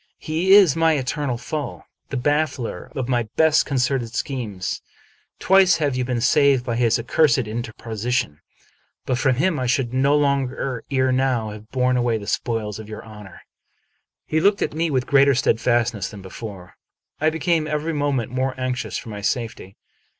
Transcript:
" He is my eternal foe ; the baffler of my best concerted schemes. Twice have you been saved by his accursed in terposition. But for him I should long ere now have borne away the spoils of your honor." He looked at me with greater steadfastness than before. I became every moment more anxious for my safety.